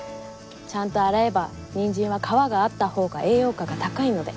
ちゃんと洗えばニンジンは皮があったほうが栄養価が高いので。